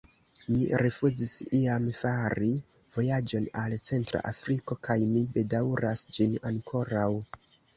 Mi rifuzis iam fari vojaĝon al Centra Afriko, kaj mi bedaŭras ĝin ankoraŭ.